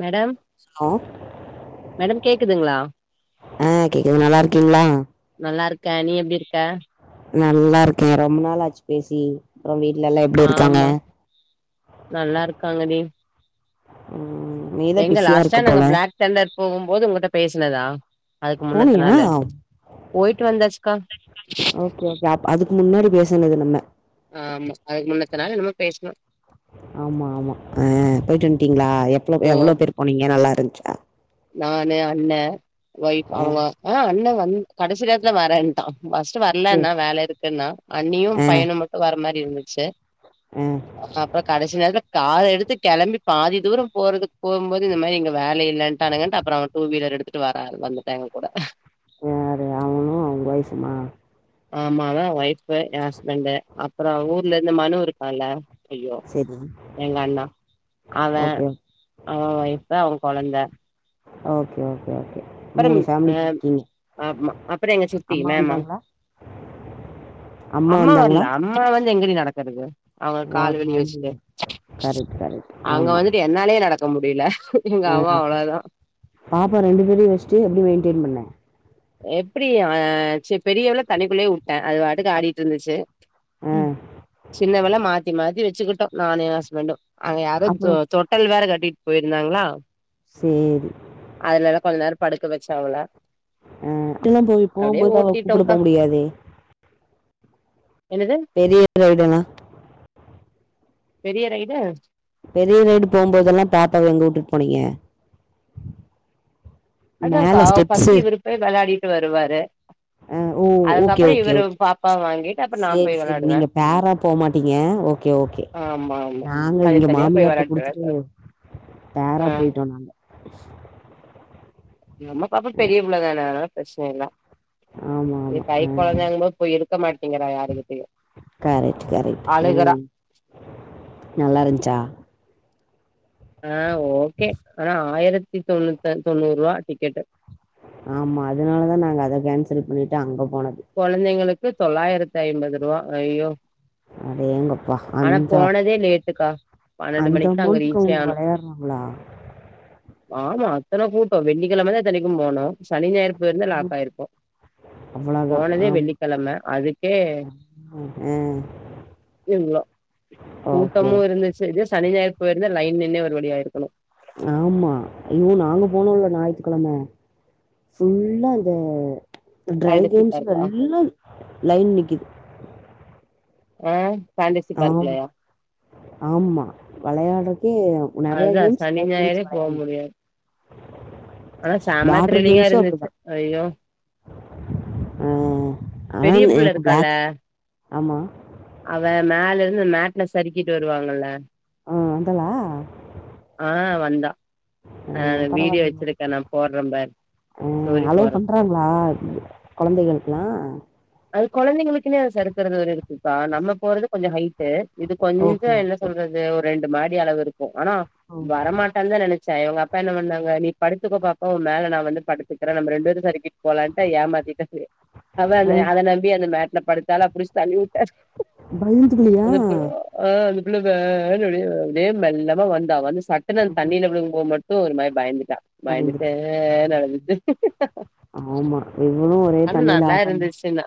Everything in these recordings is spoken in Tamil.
மேடம் ஹலோ மேடம் கேக்குதுங்களா ஆஹ் கேக்குது நல்லா இருக்கீங்களா நல்லா இருக்கே நீ எப்டி இருக்க நல்லா இருக்கே ரொம்ப நாளாச்சு பேசி அப்புறோ வீட்ல எல்லா எப்டி இருக்காங்க ஆமா நல்லாருக்காங்கடி ம் நீதா எங்க பிஸியா இருக்க லாஸ்ட்டா நாங்க போல பிளாக் தண்டர் போகும் போது உங்கிட்ட பேசுனதா அதுக்கு முன்னத்த போனியா நாளு ஓகே போயிட்டு வந்தாச்சுக்கா ஓகே அப் அதுக்கு முன்னாடி பேஸ் சுனது நம்ம ஆமா அதுக்கு முன்னத்த நாள் என்னமோ பேசுனோ ஆமா ஆமா ஆஹ் போயிட்டு வன்டிங்களா எப்ளோ ஓ எவ்வளோ பேர் போனீங்க நல்லா இரு இருஞ்சா நானு அண்ணே வைய்ப் ஆ ஆமா ஆஹ் அண்ணவார் ம் கடைசி நேத்துல வரேன்டா பஸ்ட் சரி வரலன்னா வேல இருக்குன்னா அன்னியும் ஆ பய்யனு மட்டும் வர மாரி இருந்து சே ஆ அப்புறோ கடைசி நேரத்துல கார் எடுத்து கிளம்பி பாதி தூரோ போறதுக் போகும்போது இந்த மாரி இங்க வேல இல்லன்டா ட்டானுங்க இன்ட்டு அப்றோ டூ வீலர் எடுத்துட்டு வர வந்துட்டா எங்க கூட வேற அவனு அவ வைஃப்புமா ஆமா அவே வைஃப்பு என் ஹஸ்பண்ட் அப்புறோ ஊர்ல இருந்து மனு இருக்கான்ல ஐயோ சரி எங்க அண்ணா அவே ஓகே அவே வைஃப் அவே கொழந்த ஓகே ஓகே ஓகே மூணு அப்புறம் ஃபேமிலி போயிருக்கீங்க அஹ் அப்புறோ எங்க சித்தி அம்மா மேமா வந்தாங்களா அம்மா வரல அம்மா வந்து எங்கடி நடக்குறது அவுங்க வ கால் வெளிய வெச்சிட்டு மறந்துருவே கரெக்ட் கரெக்ட் அங்க ஆமா வந்துட்டு என்னாலயே நடக்க முடியல எங்க ஆ அம்மா அவ்ளோதா ட்டு எப்படி மெயின்டென் பண்ண எப்படி அவ சி பெரியவள தனிக்குள்ளேயே விட்டேன் அது வாட்டுக்கு ஆடிட்டு இருந்துச்சு ஆ உம் சின்னவெல மாத்தி மாத்தி வச் வச்சுகிட்டம் நானும் ஏ ஹஸ்பேண்ட்டும் அங்க யாரோ தொ அப்பறோ தொட்டல் வேற கட்டிட்டு போயிருந்தாங்களா சேரி அதனால கொஞ்ச நேரம் படுக்க வச்சாங்களலா அஹ் அப்ல்லா போய் போகும்போது அவ கூப்பிட போக முடியாதே என்னது பெரிய ரைடுலா பெரிய ரைடு பெரிய ரைடு போகும்போதெல்லா பாப்பாவ எங்க வுட்டுட்டு போனீங்க அதான்க்கா மேல ஸ்டப்ஸ் ஃபர்ஸ்ட் இவரு போய் வெளாடிட்டு வருவாரு ஓ ஓகே அதுக்கப்புறோ ஓகே இவரு ஓகே பாப்பா வாங்கிட்டு அப்ப நா செரி போய் செரி வெளாடுவே நீங்க பேரா போகமாட்டீங்க ஓகே ஓகே ஆமா ஆமா நாங்க இங்க தனித்தனியா போய் மாமியாரிட்ட குடுத்துட்டு வெளாட்டு ஆ பேரா போயிட்டோம் நாங்க [unintelligible] நம்ம பாப்பா பெரிய புள்ளதான அதுனால பிரச்சன இல்ல ஆமா இ ஆமா கை ஆ குழந்தைங்களு போய் இருக்க மாட்டீங்கிறா யாருகிட்டயும் கரெக்ட் கரெக்ட் அழுகுற ம் நல்லா இருந்துச்சா ஆஹ ஓகே ஆனா ஆயிரத்த த்தி தொண்ணூத்தஞ் தொண்ணூரூபா டிக்கெட்டு ஆமா அதனாலதான் நாங்க அத கேன்சல் பண்ணிட்டு அங்கப் கொழந்தைங்களுக் க்கு தொள்ளாயிரத்தி ஐம்பது ரூபா ஐயோ அடேங்கப்பா ஆனா அந்த போனதே லேட்டுக்கா பன்னெண்டு அந்த மணிக்கு தா அங்க அமௌண்ட்டுக்கு ரீச்சே அவங்க ஆனோ விளையாடுறங்களா ஆமா அத்தனை கூட்டோம் வெள்ளிக்கிழமை தான் இத்தனைக்கும் போனோம் சனி ஞாயறு போயிருந்தா லாக்கயிருப்போம் அவ்வளோதா போனதே ஆமா வெள்ளிக்கிழமை அதுக்கே ஆ இவ்ளோ ஓகே ஓகே கூட்டமும் இருந்துச்சு இதே சனி ஞாயிறு போய் இருந்த லைன் நின்னே ஒரு வழி ஆயிருக்கணும் ஆமா ஐயோ நாங்க போனோம்ல ஞாயித்துக்கிழமை ஃபுல்லா அந்த ஃபேண்டசி ட்ரைவிங்ஸ் பார்க்கா எல்லா லைன் நிக்கிது ஆ ஃபேண்டசி ஆம் பார்க்லயா ஆமா வெளையாட்றது நெறைய அதா கேம்ஸ் சனி டரை கேம்ஸ் ஞாயிறே போ வெளையாண்டா முடியாது ஆனா சாம த்ரிலிங்கா கேம்ஸு இருந்துச்சு அப்டிதா ஐயோ ஆ ஆனா பெரிய புள்ள எனக்கு இருக்கால பிளாக் ஆமா அவே மேல இருந்து மேட்ல சறுக்கிட்டு வருவாங்கல்ல ஆ வந்தால்லா ஆ வந்தா நா அஹ் வீடியோ பரவால் வச்சிருக்கே நா போட்றே பாரு அஹ் ஸ்டோரி அளோ போட்றே பண்றாங்களா கொழந்தைகளுக்குலா அது கொழந்தைங்களுக்குன்னே அது சறுக்குறது ஒரு இருக் குப்பா நம்ம போறது கொஞ்சொ ஹைட் ட் இது கொஞ்ச ஓகே ஓகே என்ன சொல்றது ஒரு ரெண் டு மாடி அளவுருக் கு ஆனா ம் வரமாட்டான்தா நெனச் ச இவங்க அப்பா என்ன பண்ணாங்க நீ படுத்துக்கோ பாப்பா ஒ மேல நா வந்து படுத்துக்கறே நம்ம ரெண்டு பேரு சறுக்கிட் போலான்ட்டு ஏமாத்திட்டு சரி ம் அதானே கே அந்த மேட்ல படுத்தால புடுச் தள்ளிவுட் டாரு பயந்துக்குலியா அந்தப்றோ அன் புள்ள பேனு வெளிய அப்டியே மெல்லாம வந்தா வந்துஸ் சட்டனு அந்த தண்ணில விழுகும் போத் மட் டு ஒரு மாரி பயந்து பயந்துட் ஆமா இவளும் ஒரே ஆனா தண்ணியில நல்லா ஆட்டந்தா இருந்துச்சுன்னா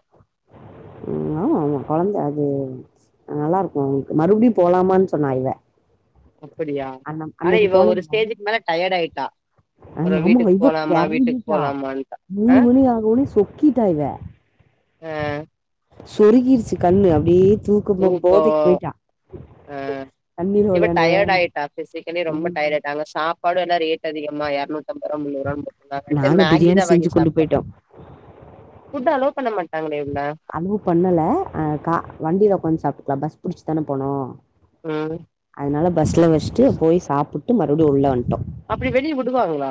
உம் ஆம ஆமா கொழந்த அது நல்லா இருக்கு ஒங்க்கு மறுபடியு போலாமான்னு சொன்னா இவ அப்படியா அன்ன ஆனா இவ ஒரு ஸ்டேஜுக்கு மேல டயர்ட் ஆயிட் டா அ ஆமா இவ கெறங்கிட்டா போலாமான்ட்டா ஆ மூணு மணி ஆனோனே சொக்கிட்டா இவ ஆ சொருகிருச்சு கண்ணு அப்டி தூக்கம்ம தூக்கோ போதைக்கு போயிட்டா ஆ தண்ணீல இவ வெளையாண்டு டயர்ட் வெளையாண்டு ம் பாடெல்லா ரேட் அதிகமா எரநூத் தம்போருவா முன்னுரான் போட்டுருந்தாங்கன்ட்டு நாங்க பிரியாணி மேகிதா செஞ்சு வாங்கி கொண்டு சாப்ட்டோ போயிட்டோ பண்ண மாட்டாங்களே உள்ள அலோ பண்ணல அஹ் கா வண்டியில உக்காந் சாப்ட்டோ தா பஸ் புடிச்சு தானே போனோ ம் அதனால பஸ்ல வச்சுட்டு போய் சாப்புட் ட்டு மறுபடியு உள்ள வன் அப்டி வெளியே விடுவாங்களா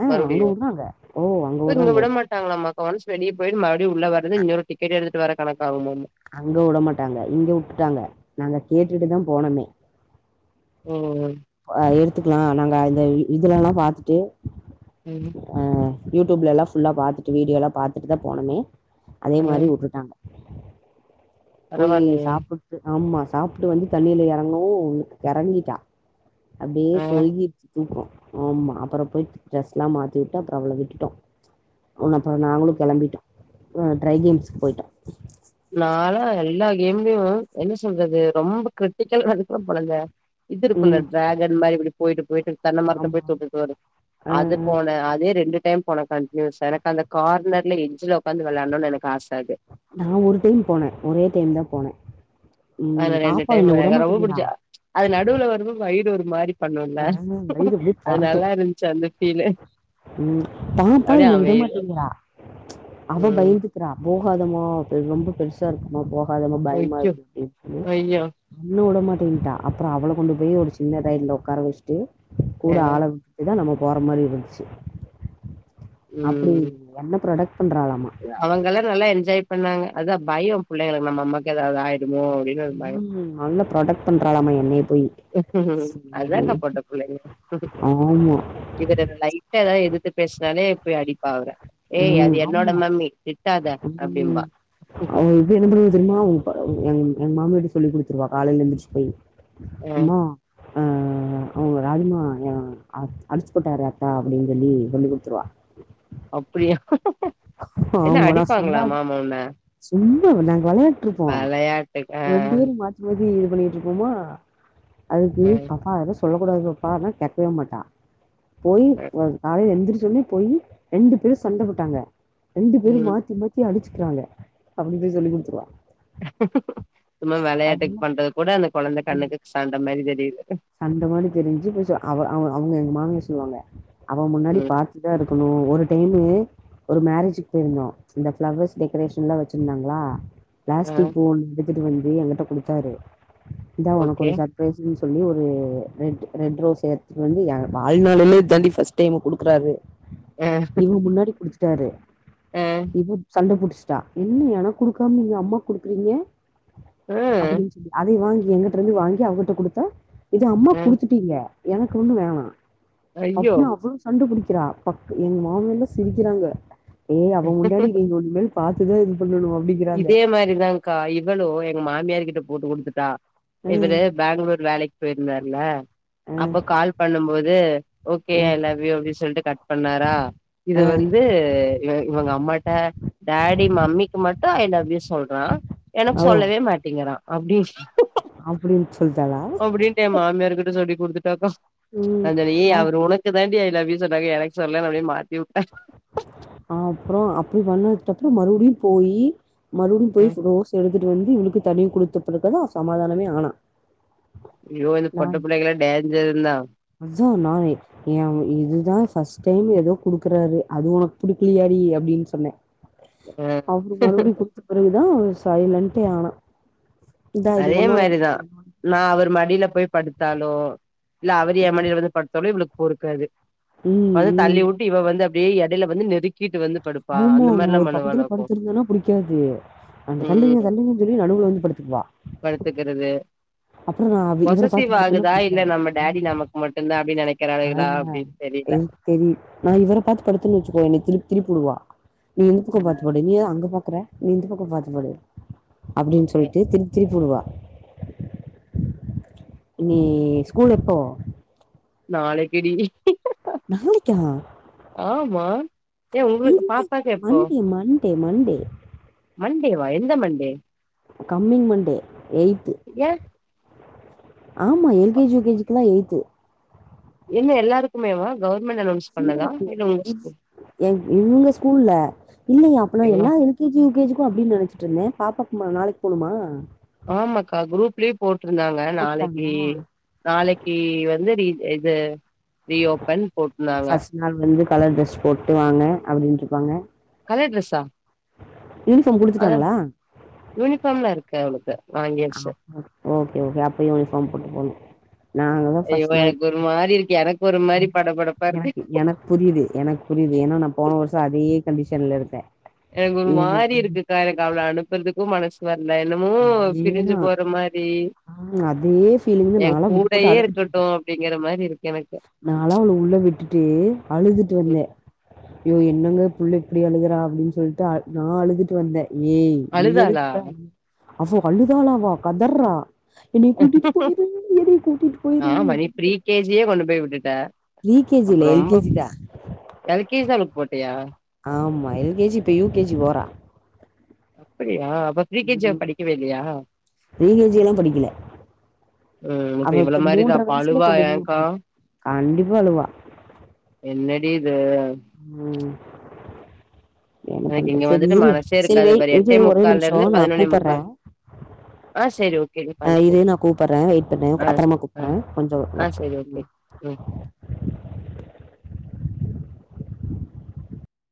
ஆ அங்க மறுபடியு உட்றாங்க ஓ அங்க இங்க உட்றாங்க உட்றாங்க விடமாட்டாங்களமாக்கா ஒன்ஸ் வெளிய போய் ம றியு உள்ள வர்ரது இங்கொரு டிக்கட் எடுத்துட்டு வர தனக்காகவு மேம் அங்க வுடமாட்டாங்க இங்க விட்டுட்டாங்க நாங்க கேட்டுட்டுதா போனோமே உம் ம் நாங்க அ இதுலல்லா பாத்துட்டு உம் ம் யூடியூலெல்லா ஃபுல்ல பாத்துட்டு வீடியோலா பாத்துட்டுதா போனோமே அதே மாரி ம் வுட்டுட்டாங்க போய் பரவால்லயே சாப்புட்டு ஆமா சாப்புட்டு வந்து தண்ணியில இறங்கவு கெறங்கிட்டா அப்டியே ஆ சோருகிச்சு தூக்குறோ ஆம்மா அப்பறம் போயி் ட்ரெஸ் எல்லா மாத்தி விட்டு அப்பறோ அவள விட்டுட்டோ உ அப்பறோ நாங்களு ம் கெளம்பிட்டோ ஆ ட்ரை கேம்ஸ்க்கு போயிட்டோ நாலா எல்லா கேம்லயு என்ன சொல்றது ரொம்ப கிரிட்டிக்கல்ல [unintelligible] பொறந்தே இது இருக்கும்ல ம் டிராகன் மாரி இப்டி போயிட்டு போயிட்டு தென்னை மரத்த ஆமா போய் தொட்டுட்டு வரும் ஆ அது ஆ போன அதே ரெண்டு டைம் போனா கண்டியூசா எனக்கு அந்த கார்னர்ல எஜ்ஜல ஒக்காந்து வெளாடணுன்னு எனக்கு ஆச அது நா ஒரு டைம் போனே ஒரே டைம்தா போனே ம் ஆன ரெண்டு பாப்பா டைம் என்ன எனக்கு ரொம்ப விடமாட்டேங்கிறா புடிச்சா அது நடுவுல வந்நது வயிரு மாறிப் ஆ வயிறு அப்டியே பொரட்டு இருந்துச்சு அந்த ஃபீலு உம் பாப்பா அப்டியே என்ன அமைதியா விடமாட்டேங்கிறா அவ ம் பயந்துக்குறா போகாதம்மா இப்ப ரொம்ப பெருசா இருக்குமா போ அது நமக்கு ஐயோ பயமாயிருக் ஐயோ [unintelligible] இன்னும் உட மாட்டேங்கட்ட அப்பறோ அவள கொண்டு போய் ஒரு சின்ன ரயில்ல உக் உக்கார வெச்ட்டு அ கூட ஆள விட்டுதா நம்ம போற மாரி இருந்துச்சு அப்புடி ம் என்ன ப்ராடெக்ட் அவங்கல்லா நல்லா என்ஜாய்ப் பண்ணாங்க அதா பயோ புள்ளைங்களுக்கு நம்ம அம்மாக்கேதாவது ஆயிடு உ நல்லா ப்ரொடக்ட் பண்றாளாம என்னய போயி அதுதாங்க பொட்ட புள்ளைங்க ஆமா இவரு லைட்டா எதாவது எதித்து பேசுனாலே போய் அடிப்பா அவற ம் ஆமா அப்டிம்பா. ம் அவ இவ என்ன பண்ணுவா தெரியுமா ம் ப எங் எங்க மாமியார்ட்ட சொல்லி குடுத்துருவா காலைல எழுந்துச்சு போயி அ மா அ அவங்கள ராஜிமா எ அ அடிச்சு போட்டாரு அத்தா அப்டின்னு சொல்லி சொல்லிக்குடுத்துருவா அப்டியா என்ன ஆமா நான் அடிப்பாங்ளா சொன்னா மாமா உன்ன சும்மா விளான் வெளையான்ட்டு இருப்போ வெளையாட்டுக்கு ஆ, ரெண்டு பேரு மாத்தி மாத் தி இது பண்ணிட்டு இருப்போமா அதுக்கு ஆ, பப்பா அதலா சொல்லக்கூடாது பாப்பான்னா கேக்கவே மாட்டா போயி ஆ. வ காலைல எந்திரிச்சி சொல்லி போயி ரெண்டு பேரு சண்ட போட்டாங்க ரெண்டு பேரு ம். மாத்தி மாத்தி அடிச்சு க்றாங்க அப்டி போய் சொல்லி குடுத்துருவா சும்மா வெளையாட்டுக்கு அது பண்றது கூட அந்த கொழந்த கண்ணுக்கு சண்ட மாரி தெரியுது சண்ட மாரி தெரிஞ்சு இப்ப அவ அவ அவுங்க எங்க மாமியார் சொல்லுவாங்க அவ முன்னாடி ம். பாத்துதான் எடுக்கணும் ஒரு டைமு ஒரு மேரேஜுக்கு போயிருந்தோம் இந்த ஃபிளவர்ஸ் டெக்கரேஷன் எல்லாம் வச்சிருந்தாங்களா ஆ. பிளாஸ்டிக் போல் இது புதுவண்டி எங்கிட்ட குடுத்தாரு இதான் உனக்கு ஓகே. ஒரு சர்பரைஸ் சொல்லு ஒரு ரெட் ரெட் ரோஸ் எடுத்துட்டு வந்து என் வாழ்நாளில இத்தாண்டி ஃபர்ஸ்ட் டைம் குடுக்குறாரு அ, இவுங்க முன்னாடி குடுட்டுத்தாறு அ, இப்ப சண்ட புடிச்சு குடுட்டுத்தா ம் எனக்கு குடுக்காம என் அம்மாக்கு குடுக்கறீங்க அ, அப்பிடின்னு சொல்லி அதயும் வாங்கி எங்ககிட்ட இருந்து வாங்கி அவுங்கிட்ட குடுத்தா இது அம்மாக்கு அ. குடுத்துட்டீங்க எனக்கு ஒன்னோ வேணாம் ஐயோ! அப்பிடியா அவ்ளோ சண்ட புடி க்கிறா பக் எங்க மாமி எல்லாம் சிரிக்கிறாங்க ஏங்க அவ முன்னாடி நீங்க ஒன்னு பாத்ததே இல்ல இதே மாரிதாங்க்கா இவளோ எங்க மாமியாரு கிட்ட போட்டு கொடுத்துட்டா அ இவரு பேங்களூர் வேலைக்கு போயிருந்தாரு இல அ அப்ப கால் பண்ணும் போது okay I uh love you அப்டினு சொல்லிட்டு கட் பண்ணாரா இது வந்து இவுங்க அம்மா கிட்ட டேடி மம்மிக்கு மட் ப்ப ஜ லவ் யூ சொல்றா எனக்கு சொல்லவே மாட்டேங்கிறா அப்படி அப்டீங் அப்படின்டு ஏன் மாமியார கிட்ட சொல்லிட்டு கொடுத்துட்டாக்கா ம். அந்த ஏய் அப் அவரு உனக்கு தாண்டி ஐ லவ் யூ சொன்னாங்க எனக்கு சொல்லலன்னு அப்படினு மாத்தி உட்ட அ அப்புறோ அப்டி பண்ணதுக்கு அப்புறோ மறுபடியும் போயி மறுபடியு போயி ரோஸ் எடுத் எடுத்துட்டு வந்து இவளுக்கு தனியா கொடுத்தப் பிறகு தா சமாதானமே ஆனா ஐயோ இந்த பொட்ட நான் புள்ளைங்கலா டேஞ்சருந்தா எ இதுதா ஃபர்ஸ்ட் டைமு ஏதோ குடுக்குறாரு அது உனக் பிடிக்கலியாடி அப்படின்னு சொன்னேன் அ அவரு மறுபடியும் குடுத்த பெறவுதா சைலண்ட்டேயானா அதே மாரிதா நா அவரு மடில போய் படுத்தாலோ இல்ல அவர் என் ம். மடில வந்து படுத்தோலோ இவளுக்கு பொறுக்காது ம் வந்து ம் தள்ளி விட்டு இவ வந்து அப்டீயே எடையில வந்து நெருக் ஆமா நா ஒரு பக்கத்துல படுத்திருந்தேனா பிடிக்காது அவுங்க ம் தள்ளங்க தள்ளங்கன்னு சொல்லி நடுவுல வந்து படுத்துக்குவா படுத்துக்கிறது அப்புறோ நா இவர பாத்து பொசசிவ் படுத்தேன்னா ஆகுதா இல்ல பிடிக்காது நம்ம டாடி ம் நமக்கு மட்டும்தான் அப்டின்னு நெனைக்கிறாளுகளா ஆ அப்டின்னு தெரில எதுக்கு தெரிது நா இவர பாத்து படுத்தேன்னா வெச்சுக்கோவ என்ன திருப் திரிப்புடுவா நீ எங்க பக்கோ ஆ பாத்து படு நீ ஏ அங்க பாக் க்கற நீ இந்த பக்கோ பாத்துப் படு அப்டின்னு ஓகே சொல்ட்டு திருப்பி திருப்பி உடுவா இனி ஸ்கூல் எப்போ நாளைக்கிடி நாளைக்க ஆமா ஏ உங்களுக்கு இல்ல பாப்பாக்கு எப்போ மண்டே மண் டே மண்டே மண்டேவா எந்த மண்டே கம்மிங் மண்டே எய்ட்து ஏ ஆமா L K G U K ஜிக்கு எல்லா எயித்து என்ன எல்லாருக்குமேவா கவர்மெண்ட் அனௌன்ஸ் பண்ணதா ங்க இல்ல உங்க ஸ்கூல் இவங்க ஸ்கூல்லல இல்லையா அப்பனா ஏங்க எல்லா L K G U K ஜிக்கு அப்டின்னு நினைச்சிட்டு இருந்தே பாப்பாகுமா நாளைக்கு போணுமா ஆமா அக்கா குரூப் லே போ இருந்தாங்க நாளைக்கு போட்டாங்களா நாளைக்கு வந்து நீ இது ரீ ஓபன் ஃபர்ஸ்ட் நாள் வந்து கலர் ட்ரெஸ் போட்டு வாங்க அப்டின்னு இருப்பாங்க கலர் ட்ரெஸ்ஸா யூனிபார்ம் குடுத்துட்டாங்களா கேவனுக் ஓகே ஓகே அப்ப கம்ஃபரட்டபல் நாங்க தான் ஐயோ ஃபர்ஸ்ட் நா எனக்கு ஒரு மாரி இருக்கு எனக்கு ஒரு மாரி படபடப்பா இருக்கு எனக்கு எனக்கு புரியுது எனக்கு புரியுது ஏன்னா நா போன வருஷோ அதே கண்டிஷன்ல இரு ஆ எனக்கு ஒரு மாறி இருக்குக்கா எனக்கு அவள‌ அனுப்பறதுக்கு மனசு வரல என்னமோ பிரிஞ்சு அதேதான் போற மாரி ஆஹ் அதே ஃபீலிங்தா என் நாலா விட்டு போட்டு கூடயே அழுதுட்டு இருக்கட்டு வந்தே அப்டிங்கிற மாரி இருக்கு எனக்கு நாளா அவள உள்ள விட்டுட்டு அழுதுட்டு ம் வந்தே அய்யோ யோ என்னங்க புள்ள இப்டி அழுககறா அப்டின்னு சொல்லிட்டு அ நான் அழுதுட்டு வந்தே ஏய் நீ அழுதாளா எதுக்கு அவ அழுதாலாவா கதர்றா என்னய கூட்டிட்டு போயிரு என்னய கூட்டிட்டு போயிரு ஆமா நீ ப்ரீ கே ஜி யே கொண்டு போய் விட்டுட்ட பிரீ கே ஜி இல்ல எல் கே ஜி தா வுளுக்கு போட்டியா ஆமா எல் கே ஜி இப்ப யூ கே ஜி போறா அப்டியா அப்ப ப்ரீ கே ஜி அவ படிக்கவே இல்லையா ப்ரீ கே ஜி எல்லா படிக்கல ம் இப்ப அவ இவள இத மாரிதா மூன்ற அப்ப வயசுலயே அழுவா கொண்டு போய ஏன்க்கா விட்ட கண்டிப்பா அழுவா அது ம். என்ன எனக்கு இங்க பண்றது? சரி வந்துட்டு இரு. மனசே சரி இருக்காது வெய் பார் இது எட்டே ஒரே முக்கால்லருந்து நிமிஷம் நான் பதினொன்னே முக்கால் ஆ சரி ஓகே நீ ஆஹ் பாத்துட்டு இரு கூப்புடு நான் கூப்பறேன் வெயிட் பண்ணு ஆ அப்புறமா ஆ கூப்பிறேன் கொஞ்சம் ஆ சரி ஒர்க் ஓகே ம்